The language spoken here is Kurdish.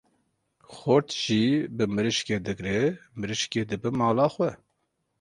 Xort jî bi mirîşkê digre, mirîşkê dibe mala xwe.